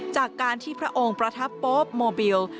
จากการที่พระองค์ประทับโป๊ปโมบิล